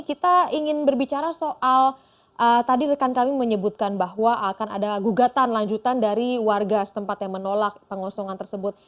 kita ingin berbicara soal tadi rekan kami menyebutkan bahwa akan ada gugatan lanjutan dari warga setempat yang menolak pengosongan tersebut